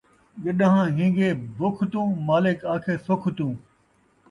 گݙان٘ہہ ہین٘گے بکھ توں ، مالک آکھے سُکھ توں